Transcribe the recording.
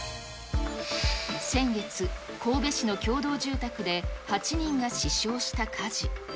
先月、神戸市の共同住宅で８人が死傷した火事。